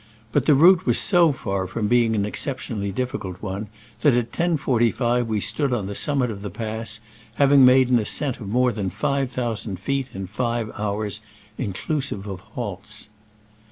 But the route was so far from being an exceptionally difficult one that at 10.45 we stood on the summit of the pass, having made an ascent of more than five thousand feet in five hours, inclusive of halts.